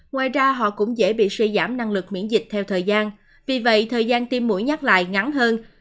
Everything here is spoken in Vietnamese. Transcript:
ngoài ra họ cũng dễ bị suy giảm năng lực miễn dịch theo thời gian vì vậy thời gian tiêm mũi nhắc lại ngắn hơn